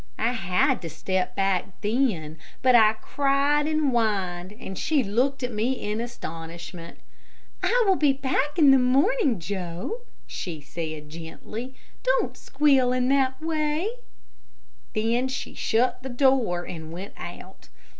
I had to step back then, but I cried and whined, and she looked at me in astonishment. "I will be back in the morning, Joe," she said, gently; "don't squeal in that way," Then she shut the door and went out.